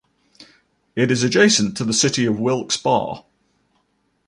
It is adjacent to the city of Wilkes-Barre.